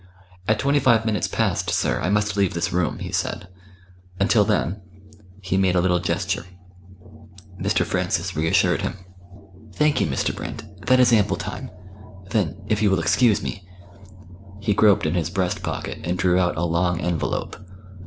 "At twenty five minutes past, sir, I must leave this room," he said. "Until then " he made a little gesture. Mr. Francis reassured him. "Thank you, Mr. Brand that is ample time. Then, if you will excuse me " He groped in his breast pocket, and drew out a long envelope.